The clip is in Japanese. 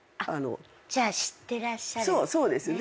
じゃあ知ってらっしゃるんですね